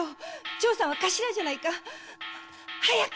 長さんは頭じゃないか。早く！